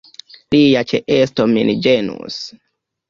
Lia ĉeesto min ĝenus.